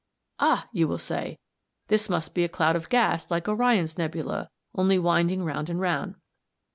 Ah! you will say, this must be a cloud of gas like Orion's nebula, only winding round and round.